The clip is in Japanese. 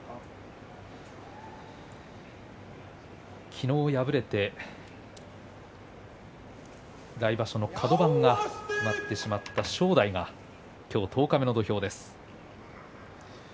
昨日、敗れて来場所のカド番が決まってしまった正代が、十日目の土俵です。